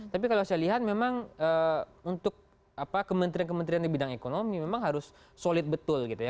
tapi kalau saya lihat memang untuk kementerian kementerian di bidang ekonomi memang harus solid betul gitu ya